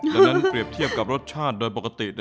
ดังนั้นเปรียบเทียบกับรสชาติโดยปกติ